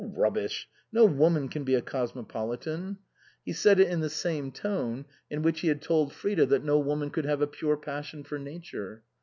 " Rubbish ! No woman can be a cosmopolitan." 110 INLAND He said it in the same tone in which he had told Frida that no woman could have a pure passion for Nature.